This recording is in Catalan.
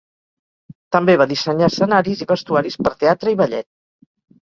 També va dissenyar escenaris i vestuaris per teatre i ballet.